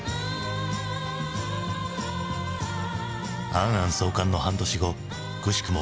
「ａｎ・ａｎ」創刊の半年後くしくも